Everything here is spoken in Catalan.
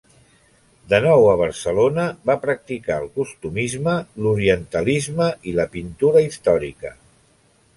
De nou a Barcelona, va practicar el costumisme, l'orientalisme i la pintura històrica.